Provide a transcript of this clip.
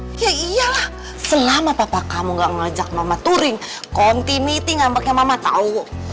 hah ya iyalah selama papa kamu gak ngajak mama turing kontiniti ngambeknya mama tau